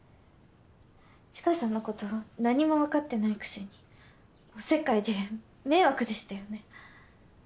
知花さんのこと何も分かってないくせにお節介で迷惑でしたよね。